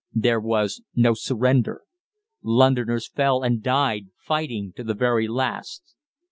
There was no surrender. Londoners fell and died fighting to the very last.